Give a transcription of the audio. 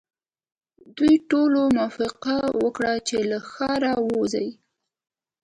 دوی ټولو موافقه وکړه چې له ښاره وځي.